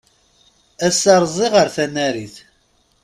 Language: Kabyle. Ass-a rziɣ ar tnarit.